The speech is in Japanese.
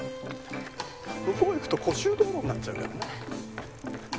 向こう行くと湖周道路になっちゃうからね。